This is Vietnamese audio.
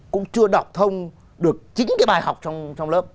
cũng chưa đọc thông được chính cái bài học trong lớp